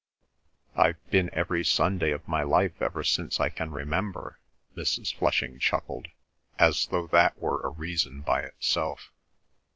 "I've been every Sunday of my life ever since I can remember," Mrs. Flushing chuckled, as though that were a reason by itself.